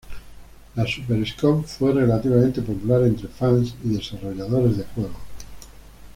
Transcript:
La Super Scope fue relativamente popular entre fans y desarrolladores de juegos.